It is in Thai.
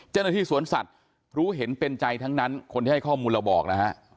เจ้าหน้าที่สวนสัตว์รู้เห็นเป็นใจทั้งนั้นคนที่ให้ข้อมูลเราบอกนะฮะ